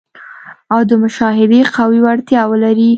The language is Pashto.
او د مشاهدې قوي وړتیا ولري.